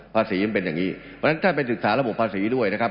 มันเป็นอย่างนี้เพราะฉะนั้นท่านไปศึกษาระบบภาษีด้วยนะครับ